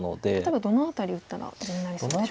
例えばどの辺り打ったら地になりそうでしょうか？